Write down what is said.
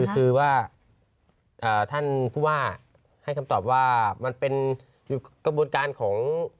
คือว่าท่านผู้ว่าให้คำตอบว่ามันเป็นกระบวนการของ